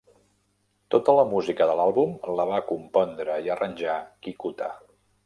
Tota la música de l'àlbum la va compondre i arranjar Kikuta.